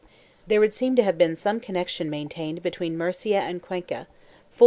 There would seem to have been some connection maintained between Murcia and Cuenca for, in 1746, 1 Bibl.